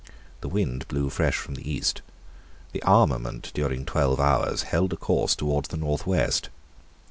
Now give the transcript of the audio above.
The wind blew fresh from the east. The armament, during twelve hours, held a course towards the north west.